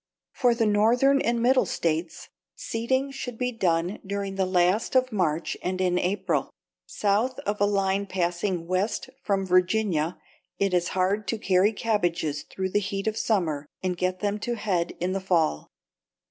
For the Northern and middle states, seeding should be done during the last of March and in April. South of a line passing west from Virginia it is hard to carry cabbages through the heat of summer and get them to head in the fall.